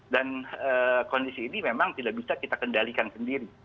dan kondisi ini memang tidak bisa kita kendalikan sendiri